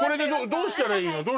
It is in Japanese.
どうしたらいいの？